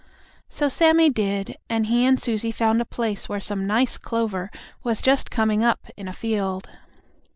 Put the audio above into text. So Sammie did, and he and Susie found a place where some nice clover was just coming up in a field.